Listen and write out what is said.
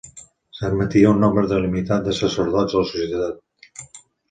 S'admetia un nombre limitat de sacerdots a la societat.